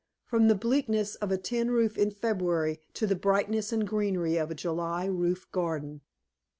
From the bleakness of a tin roof in February to the brightness and greenery of a July roof garden!